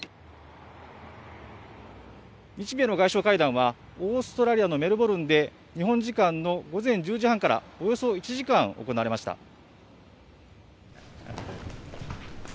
日米の外相会談はオーストラリアのメルボルンで日本時間の午前１０時半からおよそ１時間行われました。